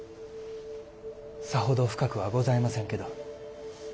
さほど深くはございませんけど。